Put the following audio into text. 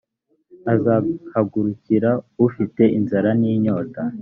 azaguhagurukiriza ufite inzara n inyota